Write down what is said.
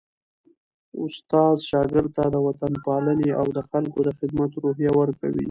استاد شاګرد ته د وطنپالني او د خلکو د خدمت روحیه ورکوي.